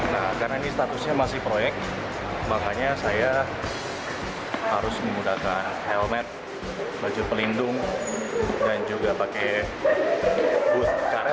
nah karena ini statusnya masih proyek makanya saya harus menggunakan helmet baju pelindung dan juga pakai boot karet ya untuk menjaga keamanan